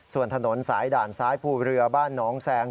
ส่วนถนนสายด่านซ้ายภูเรือบ้านหนองแซง